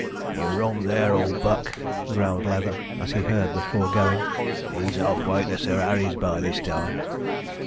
'You're wrong there, old buck,' growled Leather, as he heard the foregoing; 'he's half way to Sir 'Arry's by this time.'